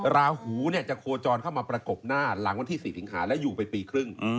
ราหูจะโคจรเข้ามาประกบหน้าหลังวันที่๔สิงหาและอยู่ไปปีครึ่ง